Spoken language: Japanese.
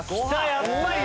やっぱり！